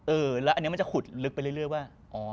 เออแล้วอันนี้มันจะขุดลึกไปเรื่อยว่า